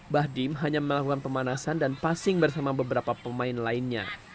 bahdim hanya melakukan pemanasan dan passing bersama beberapa pemain lainnya